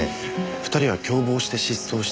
２人は共謀して失踪した。